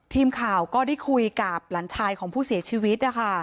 ทีมข่าวก็ได้คุยกับหลานชายของผู้เสียชีวิตนะคะ